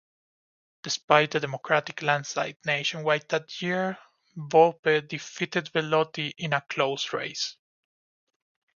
Despite the Democratic landslide nationwide that year, Volpe defeated Bellotti in a close race.